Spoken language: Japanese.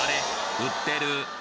売ってる？